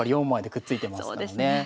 ４枚でくっついてますからね。